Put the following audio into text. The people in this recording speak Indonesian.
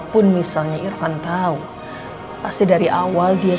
pastinya tante sama thena